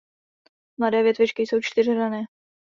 Mladé větvičky jsou čtyřhranné.